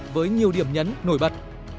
với nhiều điểm nhấn nổi bật